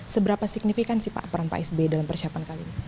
seberapa signifikan sih pak peran pak sby dalam persiapan kali ini